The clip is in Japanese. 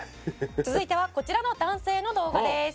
「続いてはこちらの男性の動画です」